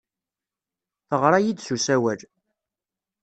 Teɣra-iyi-d s usawal.